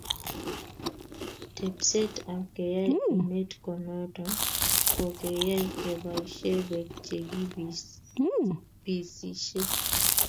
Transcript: Tepset ab keyai emet kotonon ko keyai kebaishe peek chekipisishei